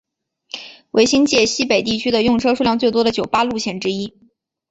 为新界西北地区用车数量最多的九巴路线之一。